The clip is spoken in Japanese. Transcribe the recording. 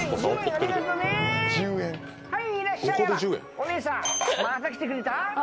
お姉さんまた来てくれた？